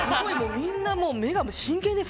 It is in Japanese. みんな目が真剣です。